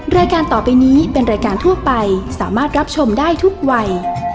รายการต่อไปนี้เป็นรายการทั่วไปสามารถรับชมได้ทุกวัย